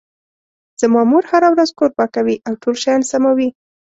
زما مور هره ورځ کور پاکوي او ټول شیان سموي